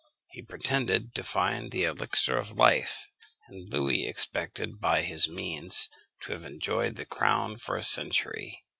He pretended to find the elixir of life, and Louis expected by his means to have enjoyed the crown for a century.